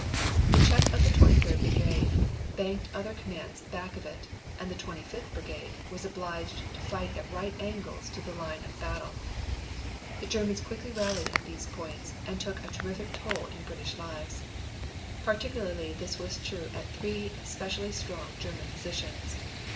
The check of the Twenty third Brigade banked other commands back of it, and the Twenty fifth Brigade was obliged to fight at right angles to the line of battle. The Germans quickly rallied at these points, and took a terrific toll in British lives. Particularly was this true at three specially strong German positions.